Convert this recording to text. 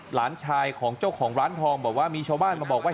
หลานชายของเจ้าของร้านทองบอกว่ามีชาวบ้านมาบอกว่า